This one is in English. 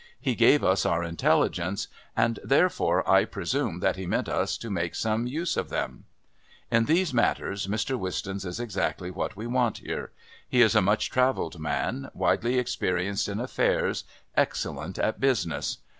He gave us our intelligences, and therefore I presume that He meant us to make some use of them. "In these matters Mr. Wistons is exactly what we want here. He is a much travelled man, widely experienced in affairs, excellent at business.